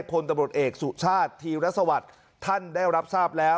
คนตำรวจเอกสุชาสทีรสวท์ท่านได้รับทราบแล้ว